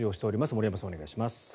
森山さん、お願いします。